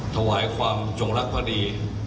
ถวายความจงลักษณ์พอดี